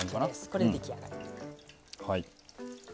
これで出来上がり。